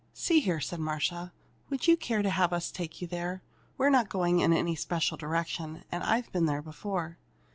"See here," said Marcia; "would you care to have us take you there? We're not going in any special direction, and I've been there before."